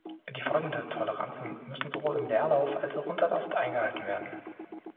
Die folgenden Toleranzen müssen sowohl im Leerlauf als auch unter Last eingehalten werden.